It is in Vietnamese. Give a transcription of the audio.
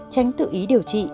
tránh tự ý điều trị